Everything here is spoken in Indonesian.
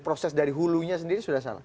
proses dari hulunya sendiri sudah salah